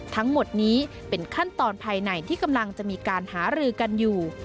ทั้งหมดนี้เป็นขั้นตอนภายในที่กำลังจะมีการหารือกันอยู่